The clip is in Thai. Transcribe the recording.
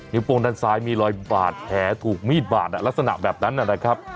โป้งด้านซ้ายมีรอยบาดแผลถูกมีดบาดลักษณะแบบนั้นนะครับ